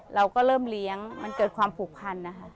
เราก็เริ่มเลี้ยงมันเกิดความผูกพันนะคะ